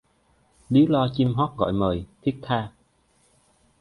Líu lo chim hót gọi mời... thiết tha.